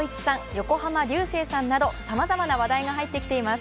横浜流星さんなどさまざまな話題が入ってきています。